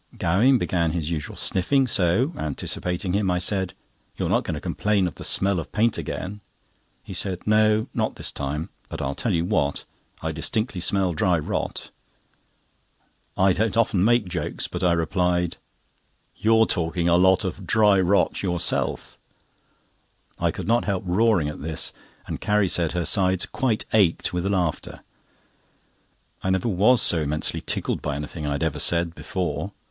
Gowing began his usual sniffing, so, anticipating him, I said: "You're not going to complain of the smell of paint again?" He said: "No, not this time; but I'll tell you what, I distinctly smell dry rot." I don't often make jokes, but I replied: "You're talking a lot of dry rot yourself." I could not help roaring at this, and Carrie said her sides quite ached with laughter. I never was so immensely tickled by anything I have ever said before.